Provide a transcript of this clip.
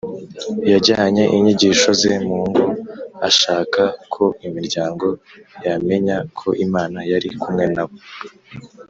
Yajyanye inyigisho ze mu ngo, ashaka ko imiryango yamenya ko Imana yari kumwe nabo.